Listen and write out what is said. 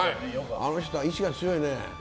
あの人は意志が強いね。